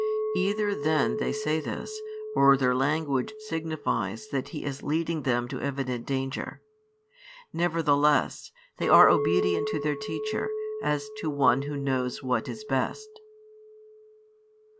Either then they say this, or their language signifies that He is leading them into evident danger. Nevertheless, they are obedient to their Teacher, as to One Who knows what is best.